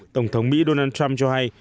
tổng thống mỹ donald trump cho hay